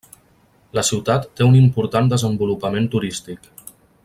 La ciutat té un important desenvolupament turístic.